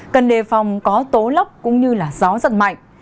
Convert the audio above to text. cần đề phòng có tố lóc cũng như là gió rất mạnh